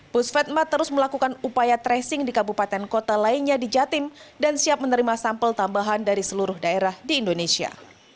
pusvetma terus melakukan upaya tracing di kabupaten kota lainnya di jatim dan siap menerima sampel tambahan dari seluruh daerah di indonesia